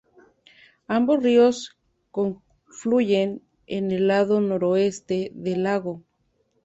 Ambos ríos confluyen en el lado noroeste del lago.